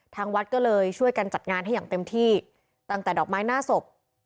ทางวัดก็เลยช่วยกันจัดงานให้อย่างเต็มที่ตั้งแต่ดอกไม้หน้าศพ